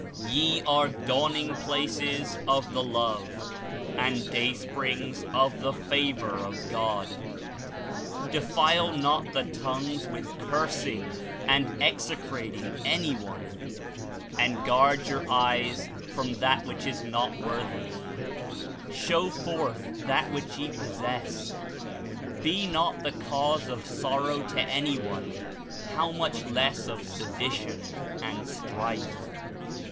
Ye are dawning places of the Love and day springs of the Favor of God. De file not the tongues with cursing and ex ecrating: anyone and guard your eyes ^^/• T 1 • 1 • t o^ Tongue rrom that which is not worthy, bhow forth that which ye possess Be not the cause of sorrow (to anyone) how much less of sedition and strife."